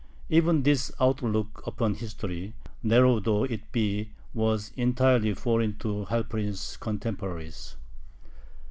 Even this outlook upon history, narrow though it be, was entirely foreign to Halperin's contemporaries.